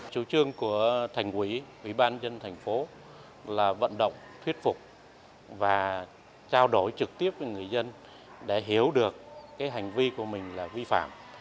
chủ trương của thành quỷ ủy ban dân thành phố là vận động thuyết phục và trao đổi trực tiếp với người dân để hiểu được hành vi của mình là vi phạm